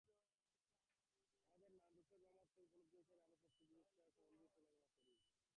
আমাদের নামরূপের ভ্রমাত্মক উপলব্ধি অনুসারে আমরা সত্য জিনিষটারই সম্বন্ধে বিভিন্ন ধারণা করে থাকি।